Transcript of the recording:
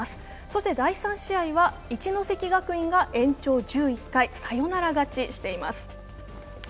そして第３試合は一関学院が延長１１回、サヨナラ勝ちしています。